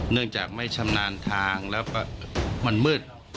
เนื่องจากไม่ชำนาญทางแล้วก็มันมืด